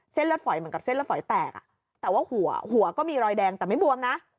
เส้นเลือดฝอยเหมือนกับเส้นเลือดฝอยแตกแต่ว่าหัวหัวก็มีรอยแดงแต่ไม่บวมนะ